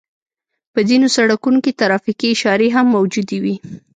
په ځينو سړکونو کې ترافيکي اشارې هم موجودې وي.